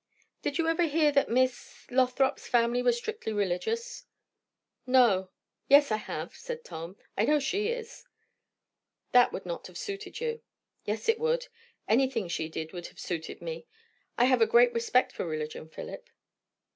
Did you ever hear that Miss Lothrop's family were strictly religious?" "No yes, I have," said Tom. "I know she is." "That would not have suited you." "Yes, it would. Anything she did would have suited me. I have a great respect for religion, Philip."